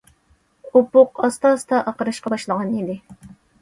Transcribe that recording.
ئۇپۇق ئاستا- ئاستا ئاقىرىشقا باشلىغان ئىدى.